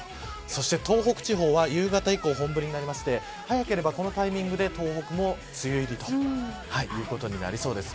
そして東北地方は夕方以降、本降りになりまして早ければこのタイミングで東北も梅雨入りということになりそうです。